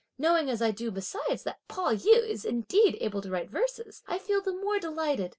Knowing as I do besides that Pao yü is, indeed, able to write verses, I feel the more delighted!